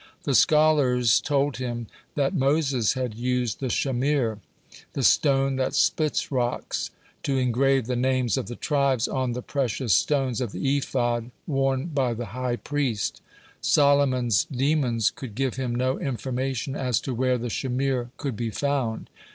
The scholars told him that Moses had used the shamir, (82) the stone that splits rocks, to engrave the names of the tribes on the precious stones of the ephod worn by the high priest. Solomon's demons could give him no information as to where the shamir could be found.